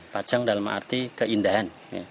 pajang dalam arti keindahan